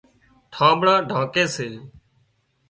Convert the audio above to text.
ڍانٻڙان ڍانڪي سي